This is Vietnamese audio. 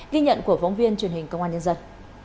ghi nhận của phóng viên truyền hình công an nhân dân